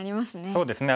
そうですね